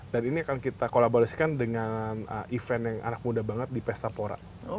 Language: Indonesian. dan ini akan kita kolaborasikan dengan event yang anak muda banget di pesta pora